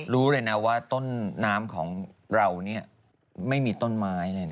รู้เลยนะว่าต้นน้ำของเราไม่มีต้นไม้เลยนะ